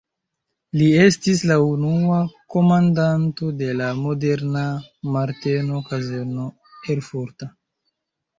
Li estis la unua komandanto de la moderna Marteno-kazerno erfurta.